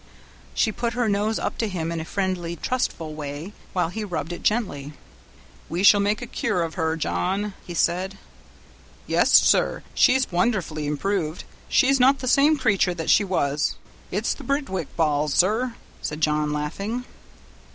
She put her nose up to him in a friendly, trustful way, while he rubbed it gently. "We shall make a cure of her, John," he said. "Yes, sir, she's wonderfully improved; she's not the same creature that she was; it's 'the Birtwick balls', sir," said John, laughing.